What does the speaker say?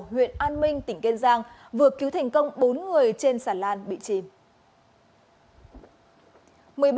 huyện an minh tỉnh kiên giang vừa cứu thành công bốn người trên sản lan bị chìm